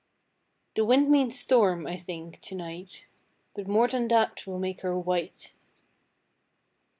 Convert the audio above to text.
The wind means storm, I think, to night: But more than that will make her white.